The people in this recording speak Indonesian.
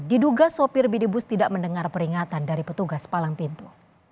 diduga sopir minibus tidak mendengar peringatan dari petugas palang pintu